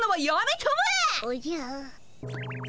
おじゃ。